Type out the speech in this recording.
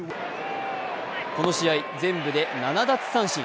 この試合、全部で７奪三振。